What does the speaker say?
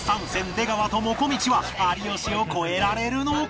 出川ともこみちは有吉を超えられるのか？